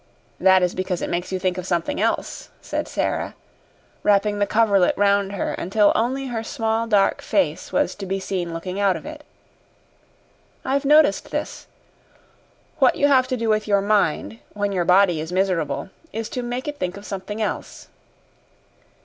"That is because it makes you think of something else," said Sara, wrapping the coverlet round her until only her small dark face was to be seen looking out of it. "I've noticed this. What you have to do with your mind, when your body is miserable, is to make it think of something else."